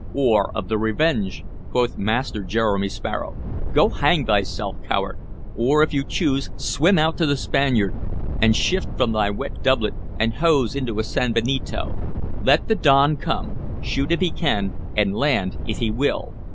"Or of the Revenge?" quoth Master Jeremy Sparrow. "Go hang thyself, coward, or, if you choose, swim out to the Spaniard, and shift from thy wet doublet and hose into a sanbenito. Let the don come, shoot if he can, and land if he will!